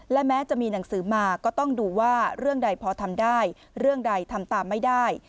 และแม้จะมีหนังสือมาก็ต้องดูว่าเรื่องใดพอทำได้เรื่องใดทำตามไม่ได้